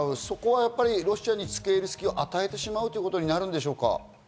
そこはやっぱりロシアにつけいる隙を与えてしまうということになるでしょうか？